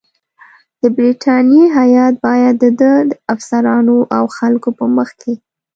د برټانیې هیات باید د ده د افسرانو او خلکو په مخ کې.